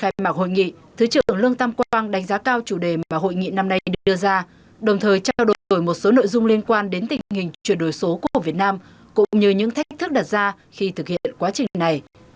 trong hội nghị thứ trưởng lương tam quang đánh giá cao chủ đề mà hội nghị năm nay được đưa ra đồng thời trao đổi một số nội dung liên quan đến tình hình chuyển đổi số của việt nam cũng như những thách thức đặt ra khi thực hiện quá trình này